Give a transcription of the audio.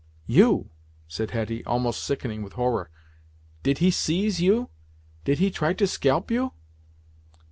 "You!" said Hetty, almost sickening with horror "Did he seize you did he try to scalp you?"